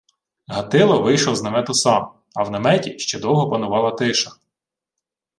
Гатило вийшов з намету сам, а в наметі ще довго панувала тиша.